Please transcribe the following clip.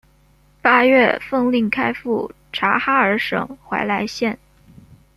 八月奉令开赴察哈尔省怀来县。